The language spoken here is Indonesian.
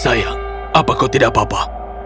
sayang apakah tidak apa apa